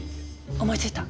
思いついた！